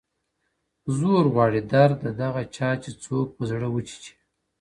زور غواړي درد د دغه چا چي څوک په زړه وچيچي~